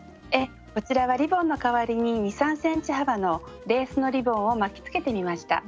こちらはリボンの代わりに２３ｃｍ幅のレースのリボンを巻きつけてみました。